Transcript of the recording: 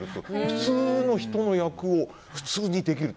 普通の人の役を普通にできる。